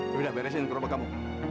sudah beresin gerobak kamu